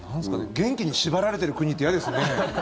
元気に縛られている国って嫌ですね。